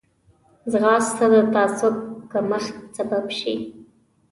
ځغاسته د تعصب کمښت سبب شي